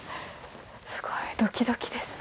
すごいドキドキですね。